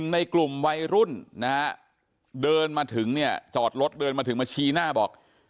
ในกลุ่มวัยรุ่นนะฮะเดินมาถึงเนี่ยจอดรถเดินมาถึงมาชี้หน้าบอก